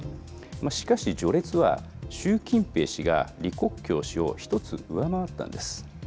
しかし序列は、習近平氏が李克強氏を１つ上回ったんです。